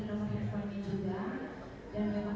terus dikatakan bahwa